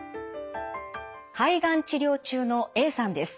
肺がん治療中のＡさんです。